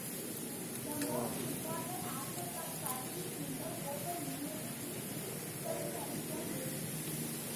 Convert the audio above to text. The most important aspect of studying in the Open University is self-study from books.